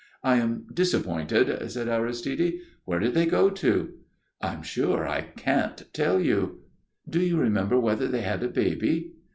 "I am disappointed," said Aristide. "Where did they go to?" "I'm sure I can't tell you." "Do you remember whether they had a baby?"